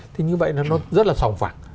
thì như vậy nó rất là sòng phạng